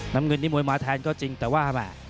น้ำเงินนี่มวยมาแทนก็จริงแต่ว่าแหม่